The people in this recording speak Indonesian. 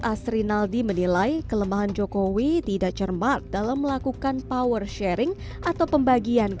asrinaldi menilai kelemahan jokowi tidak cermat dalam melakukan power sharing atau pembagian